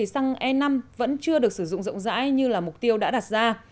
săng e năm vẫn chưa được sử dụng rộng rãi như mục tiêu đã đặt ra